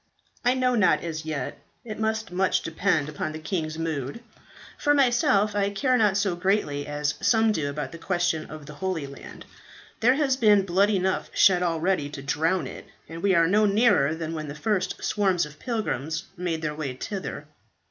"I know not as yet; it must much depend upon the king's mood. For myself, I care not so greatly as some do about this question of the Holy Land. There has been blood enough shed already to drown it, and we are no nearer than when the first swarms of pilgrims made their way thither."